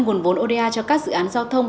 nguồn vốn oda cho các dự án giao thông